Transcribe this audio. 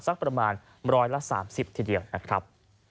สักประมาณ๑๓๐ทีเดียวนะครับ